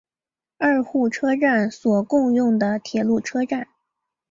二户车站所共用的铁路车站。